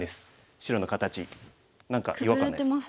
白の形何か違和感ないです？